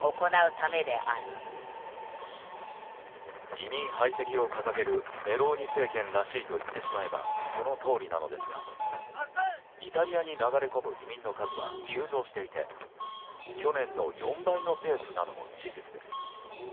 移民排斥を掲げるメローニ政権らしいと言ってしまえばそのとおりなのですがイタリアに流れ込む移民の数は急増していて去年の４倍のペースなのも事実です。